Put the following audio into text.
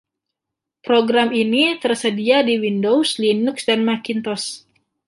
Program ini tersedia di Windows, Linux, dan Macintosh.